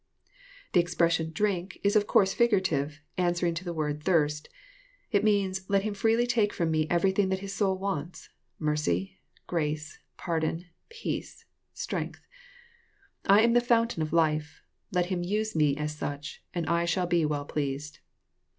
The expression "drink," is of course figurative, answering to the word thirst." It means, " Let him freely take from me everything that his soul wants, — mercy, grace, pardon, peace, strength. I am the fountain of life. Let him use me as such, and I shall be well pleased."